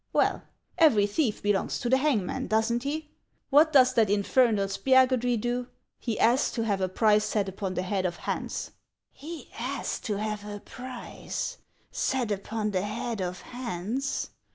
" Well, every thief belongs to the hangman, does n't he ? What does that infernal Spiagudry do ? He asks to have a price set upon the head of Hans." " He asks to have a price set upon the head of Hans